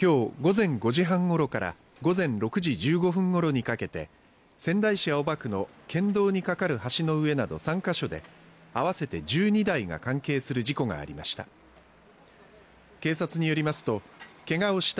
今日午前５時半ごろから午前６時１５分ごろにかけて仙台市青葉区の県道に架かる橋の上など３か所で合わせて１２台が関係する事故がありました。